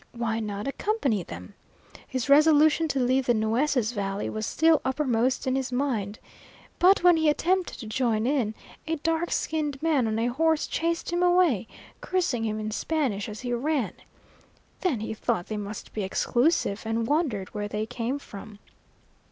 Why not accompany them? His resolution to leave the Nueces valley was still uppermost in his mind. But when he attempted to join in, a dark skinned man on a horse chased him away, cursing him in Spanish as he ran. Then he thought they must be exclusive, and wondered where they came from.